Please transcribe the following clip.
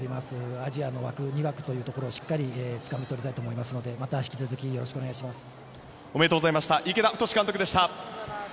アジアの枠、２枠をしっかりつかみ取りたいと思いますのでまた引き続きよろしくお願いします。